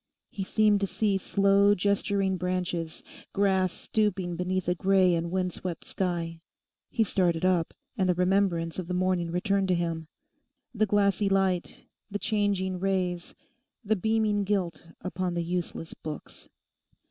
He seemed to see slow gesturing branches, grass stooping beneath a grey and wind swept sky. He started up; and the remembrance of the morning returned to him—the glassy light, the changing rays, the beaming gilt upon the useless books.